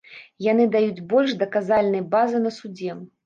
Яны даюць больш даказальнай базы на судзе.